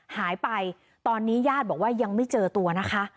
หายไปตอนนี้ญาติบอกว่ายังไม่เจอตัวนะคะ